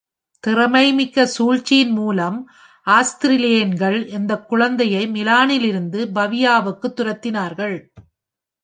திறமை மிக்க சூழ்ச்சியின்மூலம், ஆஸ்திரேலியன்கள் அந்தக் குழந்தையை மிலானிலிருந்து பவியாவுக்குத் துரத்தினார்கள்.